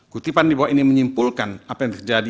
kutipan di bawah ini menyimpulkan apa yang terjadi